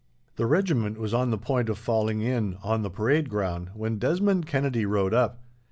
The regiment was on the point of falling in, on the parade ground, when Desmond Kennedy rode up.